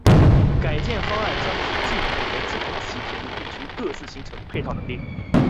改建方案将使济南和济南西铁路地区各自形成配套能力。